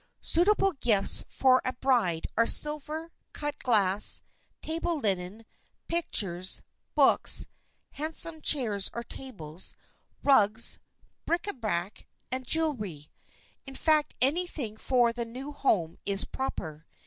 Suitable gifts for a bride are silver, cut glass, table linen, pictures, books, handsome chairs or tables, rugs, bric à brac and jewelry. In fact, anything for the new home is proper.